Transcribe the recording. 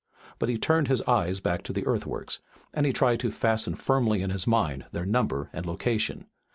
But he turned his eyes back to the earthworks, and he tried to fasten firmly in his mind their number and location.